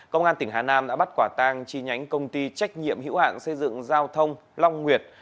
công an tỉnh hà nam đã bắt quả tang chi nhánh công ty trách nhiệm hữu hạn xây dựng giao thông long nguyệt